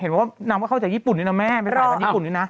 เห็นว่าน้ำเข้าจากญี่ปุ่นนี่นะแม่ไปถ่ายมาจากญี่ปุ่นนี่นะ